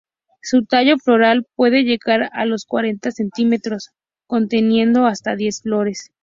Su tallo floral puede llegar a los cuarenta centímetros, conteniendo hasta diez flores.